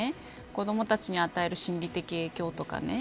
子どもたちにあたえる心理的影響とかね